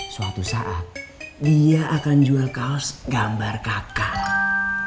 suatu saat dia akan jual kaos gambar kakak